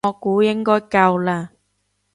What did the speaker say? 我估應該夠啦